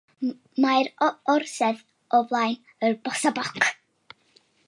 Mae'r orsedd o flaen y bossabok